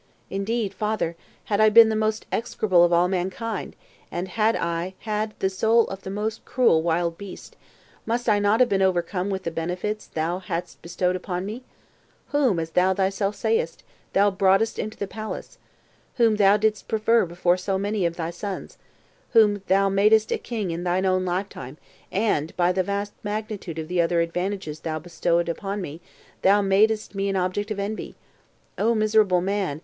Indeed, father, had I been the most execrable of all mankind, and had I had the soul of the most cruel wild beast, must I not have been overcome with the benefits thou hadst bestowed upon me? whom, as thou thyself sayest, thou broughtest [into the palace]; whom thou didst prefer before so many of thy sons; whom thou madest a king in thine own lifetime, and, by the vast magnitude of the other advantages thou bestowedst on me, thou madest me an object of envy. O miserable man!